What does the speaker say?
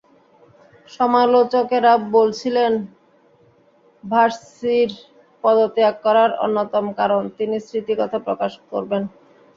সমালোচকেরা বলছিলেন, ভার্সির পদত্যাগ করার অন্যতম কারণ, তিনি স্মৃতিকথা প্রকাশ করবেন।